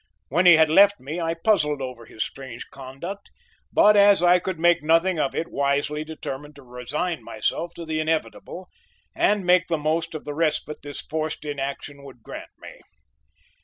When he had left me, I puzzled over his strange conduct, but as I could make nothing of it wisely determined to resign myself to the inevitable and make the most of the respite this forced inaction would grant me.